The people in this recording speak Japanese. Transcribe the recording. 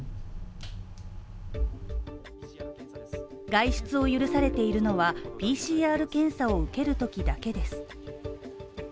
外出を許されているのは、ＰＣＲ検査を受けるときだけです。